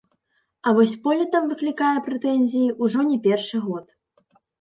А вось поле там выклікае прэтэнзіі ўжо не першы год.